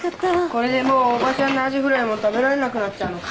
これでもうおばちゃんのアジフライも食べられなくなっちゃうのか。